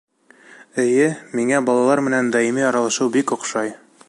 Эйе, миңә балалар менән даими аралашыу бик оҡшай.